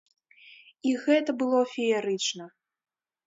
І гэта было феерычна!